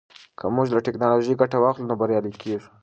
که موږ له ټیکنالوژۍ ګټه واخلو نو بریالي کیږو.